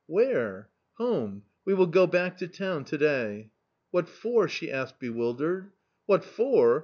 " Where ?"" Home ; we will go back to town to day." " What for ?" she asked bewildered. "What for?